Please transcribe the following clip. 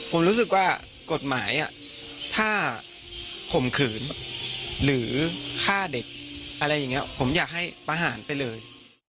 ผมรู้สึกว่ากฎหมายถ้าข่มขืนหรือฆ่าเด็กอะไรอย่างนี้ผมอยากให้ประหารไปเลย